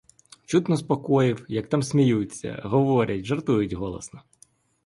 Чутно з покоїв, як там сміються, говорять, жартують голосно.